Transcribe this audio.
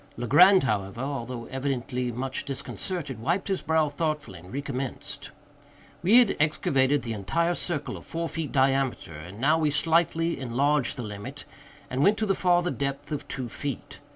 Legrand, however, although evidently much disconcerted, wiped his brow thoughtfully and recommenced. We had excavated the entire circle of four feet diameter, and now we slightly enlarged the limit, and went to the farther depth of two feet.